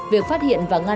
việc phát hiện và ngăn chặn